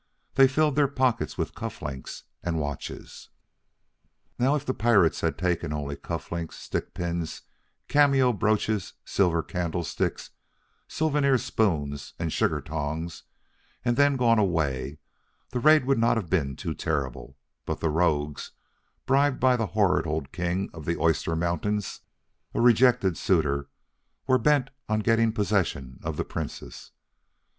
They filled their pockets with cuff links and watches. Now, if the pirates had taken only the cufflinks, stick pins, cameo brooches, silver candlesticks, souvenir spoons, and sugar tongs, and then gone away, the raid would not have been too terrible; but the rogues, bribed by the horrid old King of the Oyster Mountains, a rejected suitor, were bent on getting possession of the Princess.